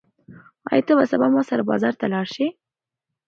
ایا ته به سبا ما سره بازار ته لاړ شې؟